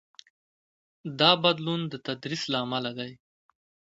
دا بدلون د تدریس له امله دی.